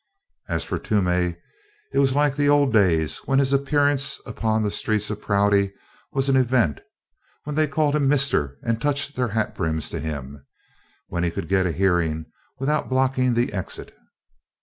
As for Toomey, it was like the old days when his appearance upon the streets of Prouty was an event, when they called him "Mister" and touched their hat brims to him, when he could get a hearing without blocking the exit.